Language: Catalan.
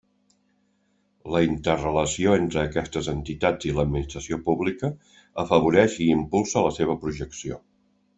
La interrelació entre aquestes entitats i l'Administració pública afavoreix i impulsa la seva projecció.